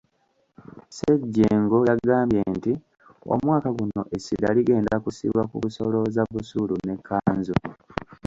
Ssejjengo yagambye nti omwaka guno essira ligenda kussibwa ku kusolooza busuulu n’ekkanzu.